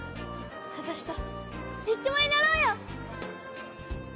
私とビッ友になろうよ！